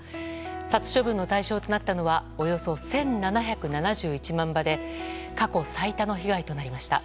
殺処分の対象となったのはおよそ１７７１万羽で過去最多の被害となりました。